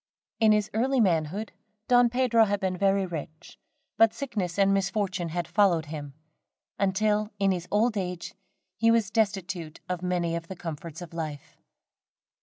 In his early manhood, Don Pedro had been very rich, but sickness and misfortune had followed him, until, in his old age, he was destitute of many of the comforts of life.